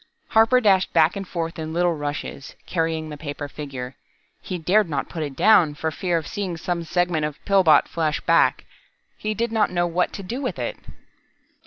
Harper dashed back and forth in little rushes, carrying the paper figure. He dared not put it down, for fear of seeing some segment of Pillbot flash back. He did not know what to do with it.